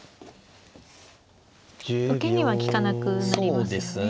受けには利かなくなりますね。